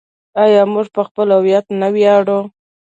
آیا موږ په خپل هویت نه ویاړو؟